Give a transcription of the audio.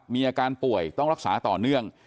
มีอาการป่วยต้องรักษาต่อเนื่อง